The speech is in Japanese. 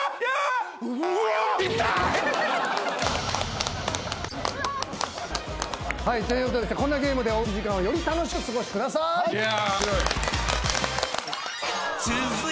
うわ痛い！ということでこんなゲームでお家時間をより楽しく過ごしてください！